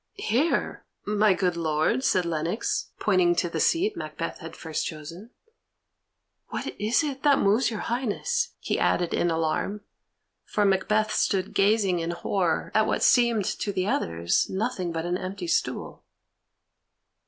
"Here, my good lord," said Lennox, pointing to the seat Macbeth had first chosen. "What is it that moves your Highness?" he added in alarm, for Macbeth stood gazing in horror at what seemed to the others nothing but an empty stool.